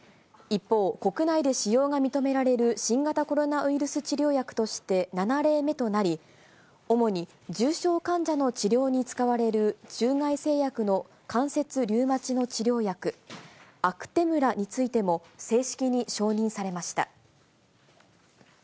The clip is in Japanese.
一方、国内で使用が認められる新型コロナウイルス治療薬として７例目となり、主に重症患者の治療に使われる中外製薬の関節リウマチの治療薬、アクテムラについても、正式に承認されました。